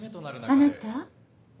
あなた。